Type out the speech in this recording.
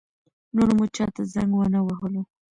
نور مو چا ته زنګ ونه وهلو.